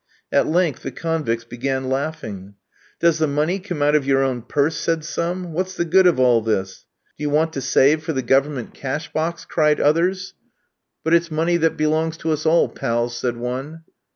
At length the convicts began laughing. "Does the money come out of your own purse?" said some. "What's the good of all this?" "Do you want to save for the Government cashbox?" cried others. "But it's money that belongs to us all, pals," said one.